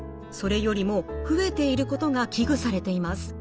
それよりも増えていることが危惧されています。